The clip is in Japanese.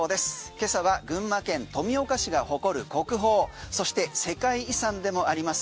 今朝は群馬県富岡市が誇る国宝そして世界遺産でもあります